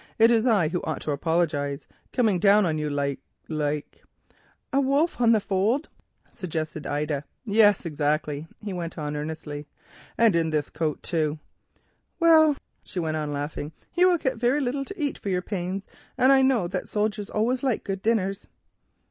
"It is I who ought to apologise, coming down on you like—like——" "A wolf on the fold," suggested Ida. "Yes, exactly," he went on earnestly, looking at his coat, "but not in purple and gold." "Well," she went on laughing, "you will get very little to eat for your pains, and I know that soldiers always like good dinners."